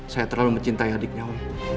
saya terlalu mencintai adiknya